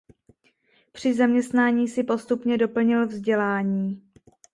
Při zaměstnání si postupně doplnil vzdělání.